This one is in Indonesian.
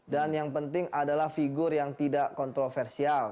dan yang penting adalah figur yang tidak kontroversial